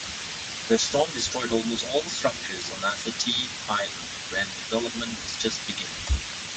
The storm destroyed almost all structures on Assateague Island, where development was just beginning.